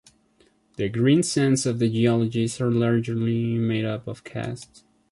The green sands of the geologist are largely made up of casts.